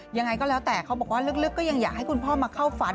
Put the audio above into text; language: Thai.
ยังไงก็แล้วแต่เขาบอกว่าลึกก็ยังอยากให้คุณพ่อมาเข้าฝัน